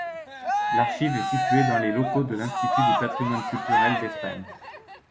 L'archive est située dans les locaux de l'Institut du patrimoine culturel d'Espagne.